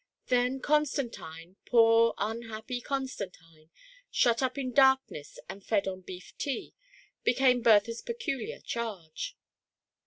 Then Constantine, poor unhappy Constantine, shut up in darkness and fed on beaf tea, became Bertha's peculiar charge.